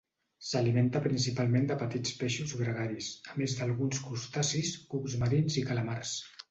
S'alimenta principalment de petits peixos gregaris, a més d'alguns crustacis, cucs marins i calamars.